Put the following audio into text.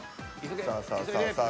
さあさあさあさあ。